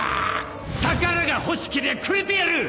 宝が欲しけりゃくれてやる！